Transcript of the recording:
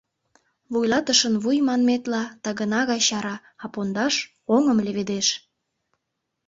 Вуйлатышын вуй, манметла, тагына гай чара, а пондаш — оҥым леведеш.